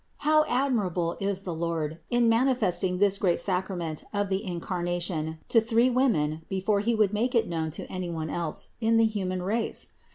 How ad mirable is the Lord in manifesting this great sacrament of the Incarnation to three women before He would make it known to any one else in the human race!